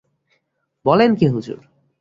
বলেন কী হুজুর!